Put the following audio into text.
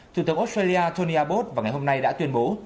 thủ tướng australia tony abbott vào ngày hôm nay đã tuyên bố